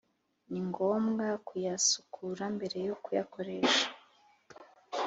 ni ngombwa kuyasukura mbere yo kuyakoresha.